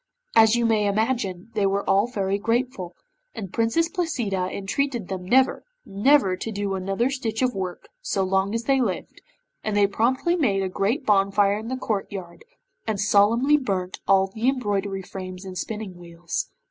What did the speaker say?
As you may imagine, they were all very grateful, and Princess Placida entreated them never, never to do another stitch of work so long as they lived, and they promptly made a great bonfire in the courtyard, and solemnly burnt all the embroidery frames and spinning wheels.